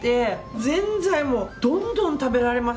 ぜんざいもどんどん食べられます